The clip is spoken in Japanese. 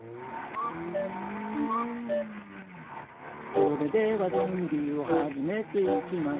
「それでは準備を始めていきます」